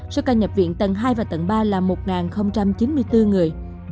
số ca nhập viện tầng hai và tầng ba là một chín mươi bốn người